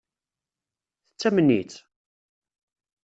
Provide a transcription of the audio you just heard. Tettamen-itt?